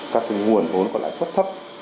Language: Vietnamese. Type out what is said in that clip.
các nguồn vốn và lãi suất thấp